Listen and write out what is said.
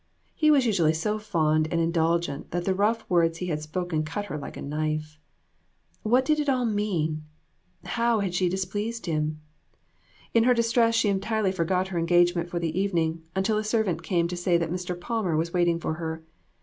He was usually so fond and indulgent that the rough words he had spoken cut her like a knife. What did it all mean? How had she displeased him? In her distress she entirely forgot her engage ment for the evening, until a servant came to say that Mr. Palmer was waiting for her.